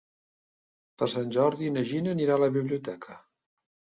Per Sant Jordi na Gina anirà a la biblioteca.